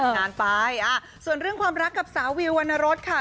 งานไปส่วนเรื่องความรักกับสาววิววรรณรสค่ะ